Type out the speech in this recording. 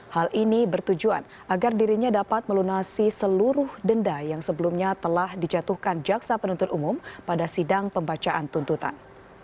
hal ini bertujuan agar dirinya dapat melunasi seluruh denda yang sebelumnya telah dijatuhkan jaksa penuntut umum pada sidang pembacaan tuntutan